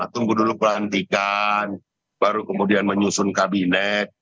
tunggu dulu pelantikan baru kemudian menyusun kabinet